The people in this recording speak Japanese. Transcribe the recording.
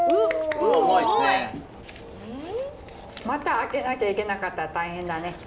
また開けなきゃいけなかったら大変だね。